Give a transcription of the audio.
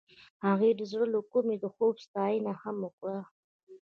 هغې د زړه له کومې د خوب ستاینه هم وکړه.